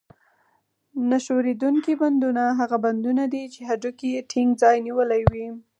نه ښورېدونکي بندونه هغه بندونه دي چې هډوکي یې ټینګ ځای نیولی وي.